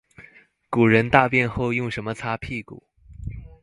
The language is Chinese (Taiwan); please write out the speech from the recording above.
古人大便後用什麼擦屁股？